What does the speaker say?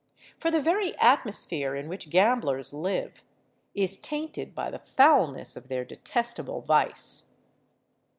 For the very atmosphere in which gamblers live is tainted by the foulness of their detestable vice!